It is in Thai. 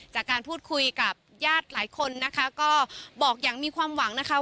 จากการพูดคุยกับญาติหลายคนนะคะก็บอกอย่างมีความหวังนะคะ